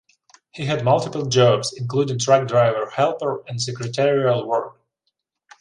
He had multiple jobs, including truck driver helper and secretarial work.